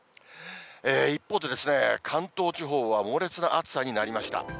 一方で、関東地方は猛烈な暑さになりました。